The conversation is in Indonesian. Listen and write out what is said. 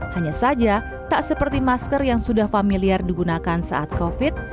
hanya saja tak seperti masker yang sudah familiar digunakan saat covid